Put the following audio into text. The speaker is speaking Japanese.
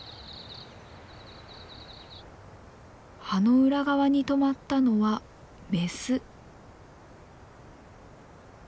葉の裏側にとまったのはメス。